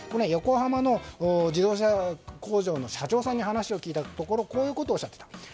横浜の自動車工場の社長さんに話を聞いたところこういうことをおっしゃっていた。